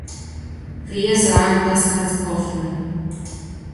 Wir sagen das ganz offen!